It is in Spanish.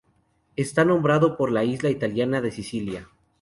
Está nombrado por la isla italiana de Sicilia.